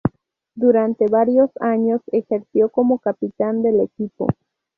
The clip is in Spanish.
Durante varios años ejerció como capitán del equipo.